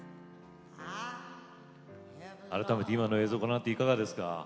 改めて今の映像ご覧になっていかがですか？